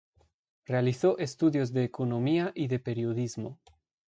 Realizó estudios de economía y de periodismo.